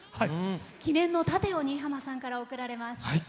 記念の盾が新浜さんから贈られます。